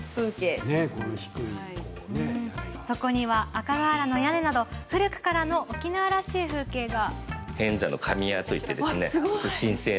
赤瓦の屋根など古くからの沖縄らしい風景が。